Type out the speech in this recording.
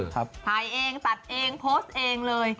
ถ่ายเองตัดเองโพสต์เองเลย